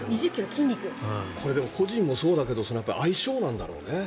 これ、個人もそうだけど相性なんだろうね。